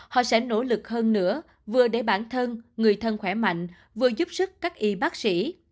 họ sẽ nỗ lực hơn nữa vừa để bản thân người thân khỏe mạnh vừa giúp sức các y bác sĩ